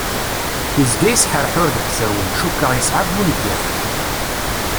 Yezga yesḥerḥur deg usawen, cukkeɣ yesɛa buneggaf.